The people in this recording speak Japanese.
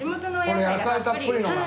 この野菜たっぷりのが。